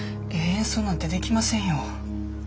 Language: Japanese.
演奏なんてできませんよ。